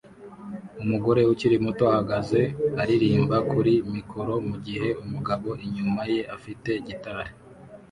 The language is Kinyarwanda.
Umugore ukiri muto ahagaze aririmba kuri mikoro mugihe umugabo inyuma ye afite gitari